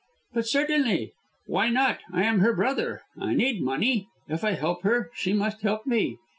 "But, certainly Why not? I am her brother; I need money. If I help her, she must help me.